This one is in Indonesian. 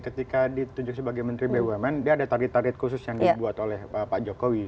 ketika ditunjuk sebagai menteri bumn dia ada target target khusus yang dibuat oleh pak jokowi